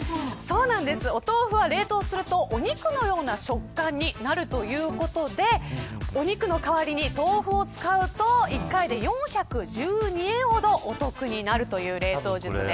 お豆腐は冷凍するとお肉のような食感になるということでお肉の代わりに豆腐を使うと１回で４１２円ほどお得になるという冷凍術です。